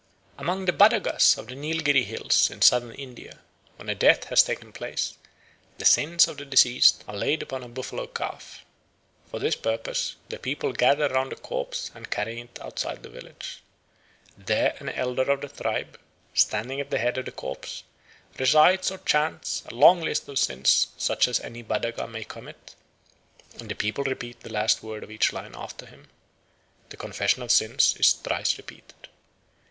Among the Badagas of the Neilgherry Hills in Southern India, when a death has taken place, the sins of the deceased are laid upon a buffalo calf. For this purpose the people gather round the corpse and carry it outside of the village. There an elder of the tribe, standing at the head of the corpse, recites or chants a long list of sins such as any Badaga may commit, and the people repeat the last word of each line after him. The confession of sins is thrice repeated.